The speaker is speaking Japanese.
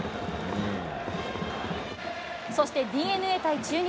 そしてＤｅＮＡ対中日。